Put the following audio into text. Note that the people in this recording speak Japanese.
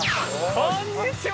こんにちは。